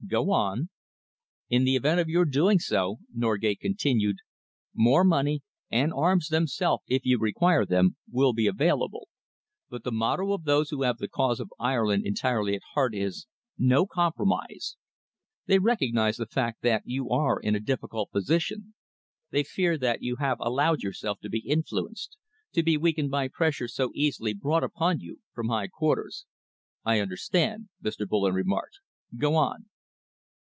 "Go on." "In the event of your doing so," Norgate continued, "more money, and arms themselves if you require them, will be available, but the motto of those who have the cause of Ireland entirely at heart is, 'No compromise!' They recognise the fact that you are in a difficult position. They fear that you have allowed yourself to be influenced, to be weakened by pressure so easily brought upon you from high quarters." "I understand," Mr. Bullen remarked. "Go on."